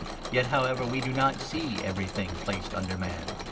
As yet, however, we do not see everything placed under man.